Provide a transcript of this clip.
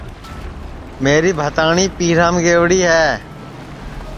میری بھتاٹؔؔی پیرام گئیوڑی ہے